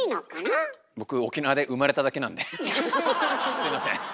すいません。